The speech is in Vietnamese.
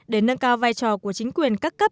để nâng cao vai trò của chính quyền các cấp